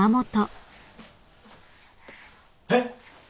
えっ！